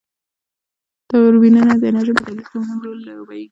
توربینونه د انرژی په تولید کی مهم رول لوبوي.